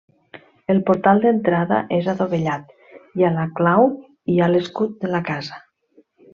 El portal d'entrada és adovellat i a la clau hi ha l'escut de la casa.